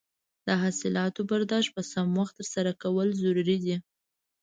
د حاصلاتو برداشت په سم وخت ترسره کول ضروري دي.